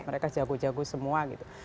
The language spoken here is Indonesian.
mereka jago jago semua gitu